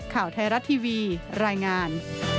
ข่าวไทยรัฐทีวีรายงาน